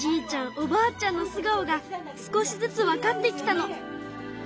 おばあちゃんの素顔が少しずつわかってきたの。